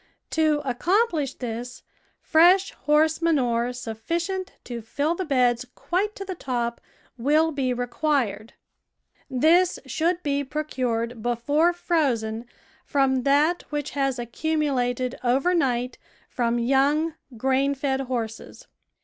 To accomplish this, fresh horse manure sufficient to fill the beds quite to the top will be re THE VEGETABLE GARDEN quired. This should be procured before frozen from that which has accumulated over night from young, grain fed horses.